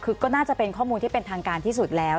คือก็น่าจะเป็นข้อมูลที่เป็นทางการที่สุดแล้ว